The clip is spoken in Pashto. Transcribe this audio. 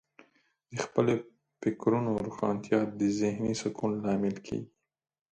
د خپلو فکرونو روښانتیا د ذهنې سکون لامل کیږي.